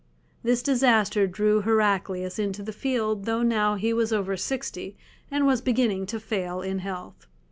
This disaster drew Heraclius into the field, though he was now over sixty, and was beginning to fail in health.